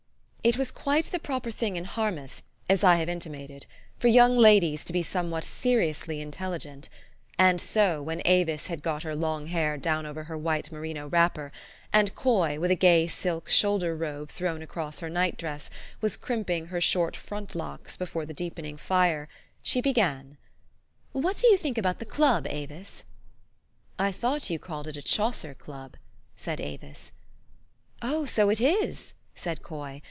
It was quite the proper thing in Harmouth, as I have intimated, for young ladies to be somewhat seriously intelligent ; and so when Avis had got her long hair down over her white merino wrapper, and Coy, with a gay silk shoulder robe thrown across her night dress, was crimping her short front locks be fore the deepening fire, she began, 30 THE STORY OF AVIS. " What do you think about the Club, Avis ?"" I thought you called it a Chaucer Club," said Avis. u Oh! so it is," said Coy.